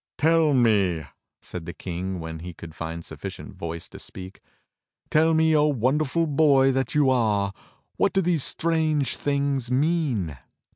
"Tell me," said the King when he could find suflicient voice to speak, "Tell me, O wonderful boy that you are, wdiat do these strange things mean.?